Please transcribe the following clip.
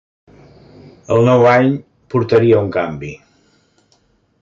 El nou any portaria un canvi.